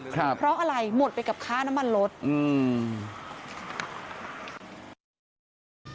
ครับเพราะอะไรหมดไปกับค่าน้ำมันลดอืม